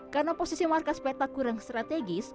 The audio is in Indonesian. karena posisi markas peta kurang strategis